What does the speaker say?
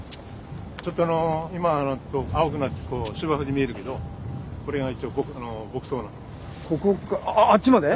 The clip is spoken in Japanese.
ちょっと今青くなって芝生に見えるけどこれが一応牧草なんです。